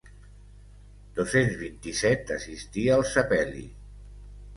Dos-cents vint-i-set assistir el sepel·li.